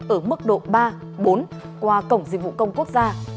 ở mức độ ba bốn qua cổng dịch vụ công quốc gia